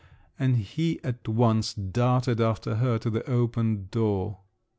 that he at once darted after her to the open door.